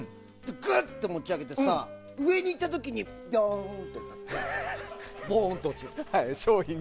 ぐっと持ち上げて上に行った時にピョーンってなってボーンって落ちる。